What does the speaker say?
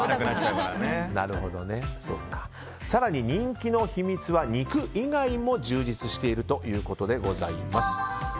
更に人気の秘密は肉以外も充実しているということです。